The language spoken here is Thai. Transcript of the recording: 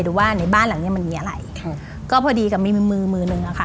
ดูว่าในบ้านหลังนี้มันมีอะไรก็พอดีกับมีมือนึงค่ะ